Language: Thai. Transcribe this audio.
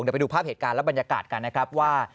เดี๋ยวไปดูภาพเหตุการณ์และบรรยากาศกันนะครับว่า